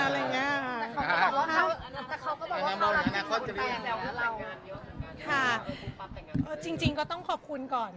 เค้าก็บอกว่าอุณหาคนที่ปลูกปั๊บแต่งงานก็เลยเออจริงจริงก็ต้องขอบคุณก่อน